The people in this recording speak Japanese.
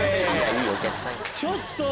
⁉ちょっと！